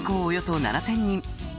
およそ７０００人